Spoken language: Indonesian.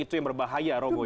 itu yang berbahaya robo